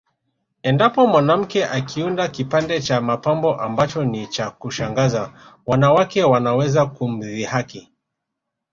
Endapo mwanamke akiunda kipande cha mapambo ambacho ni cha kushangaza wanawake wanaweza kumdhihaki